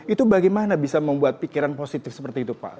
itu bagaimana bisa membuat pikiran positif seperti itu pak